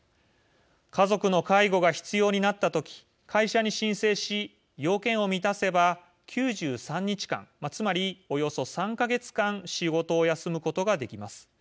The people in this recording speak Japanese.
家族の介護が必要になった時会社に申請し、要件を満たせば９３日間、つまりおよそ３か月間仕事を休むことができます。